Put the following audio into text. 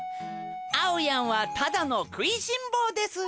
あおやんはただのくいしんぼうです。